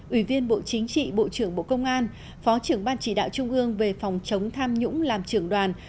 ủy viên bộ chính trị bộ trưởng bộ công an phó trưởng ban chỉ đạo trung ương về phòng chống tham nhũng làm trưởng đoàn